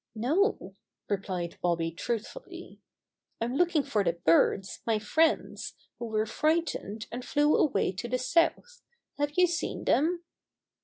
"No," replied Bobby truthfully. "I'm looking for the birds, my friends, who were frightened, and flew away to the south. Have you seen them?"